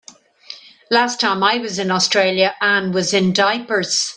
Last time I was in Australia Anne was in diapers.